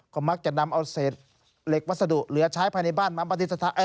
ก็มักจะนำเอาเศษเหล็กวัสดุเหลือใช้ภายในบ้านมาปฏิสถาน